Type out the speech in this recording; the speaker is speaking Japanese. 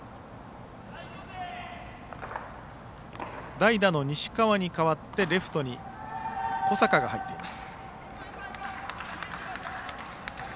代打の西川に代わってレフトに小阪が入っています。